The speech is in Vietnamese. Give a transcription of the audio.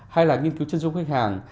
hay là nghiên cứu chân sông khách hàng